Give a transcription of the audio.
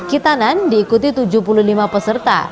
kitanan diikuti tujuh puluh lima peserta